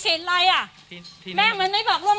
ก็จะสวยเหมือนเดิมล่ะครับ